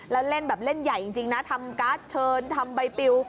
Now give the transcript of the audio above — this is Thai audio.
แล้วเล่นแบบเล่นใหญ่จริงนะทำการ์ดเชิญทำใบปิว